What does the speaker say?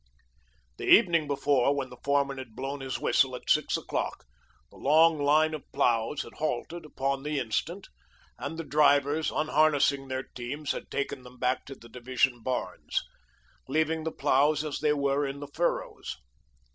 The evening before, when the foreman had blown his whistle at six o'clock, the long line of ploughs had halted upon the instant, and the drivers, unharnessing their teams, had taken them back to the division barns leaving the ploughs as they were in the furrows.